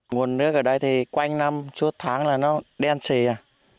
nguồn nước ở đây thì quanh năm suốt tháng là nó đen xì à